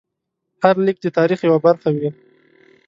هر لیک د تاریخ یوه برخه وه.